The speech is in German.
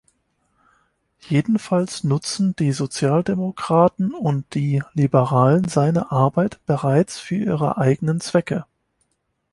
Jedenfalls nutzen die Sozialdemokraten und die Liberalen seine Arbeit bereits für ihre eigenen Zwecke.